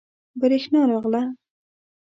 بریښنا راغله